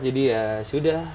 jadi ya sudah